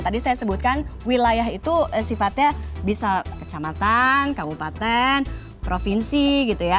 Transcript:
tadi saya sebutkan wilayah itu sifatnya bisa kecamatan kabupaten provinsi gitu ya